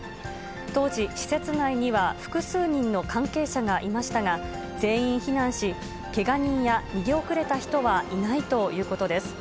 当時、施設内には複数人の関係者がいましたが、全員避難し、けが人や逃げ遅れた人はいないということです。